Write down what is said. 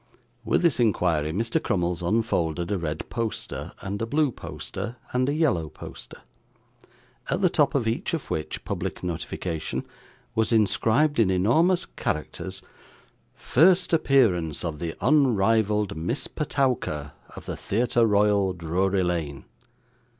With this inquiry Mr. Crummles unfolded a red poster, and a blue poster, and a yellow poster, at the top of each of which public notification was inscribed in enormous characters 'First appearance of the unrivalled Miss Petowker of the Theatre Royal, Drury Lane!